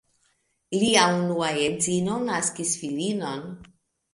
Lia unua edzino naskis filinon.